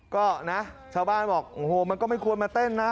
ก็นะชาวบ้านบอกโอ้โหมันก็ไม่ควรมาเต้นนะ